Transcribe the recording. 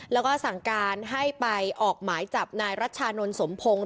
แล้วก็สั่งการให้ไปออกหมายจับนายรัชชานนท์สมพงศ์